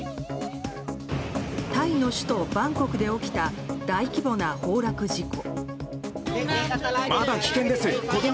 タイの首都バンコクで起きた大規模な崩落事故。